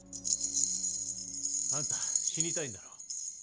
あんた死にたいんだろ？